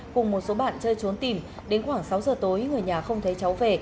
cùng một số bạn chơi trốn tìm đến khoảng sáu giờ tối người nhà không thấy cháu về